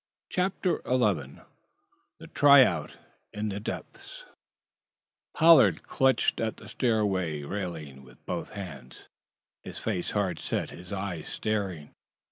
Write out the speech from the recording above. CHAPTER XI THE TRY OUT IN THE DEPTHS Pollard clutched at the stairway railing with both hands, his face hard set, his eyes staring.